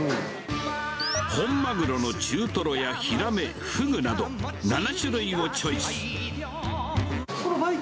本マグロの中トロやヒラメ、フグなど、７種類をチョイス。